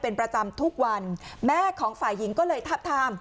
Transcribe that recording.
เป็นประจำทุกวันแม่ของฝ่ายหญิงก็เลยทับทาม